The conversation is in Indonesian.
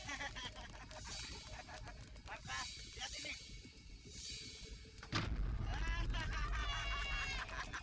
aku mendoakan kamu ke bayi semoga berhasil ya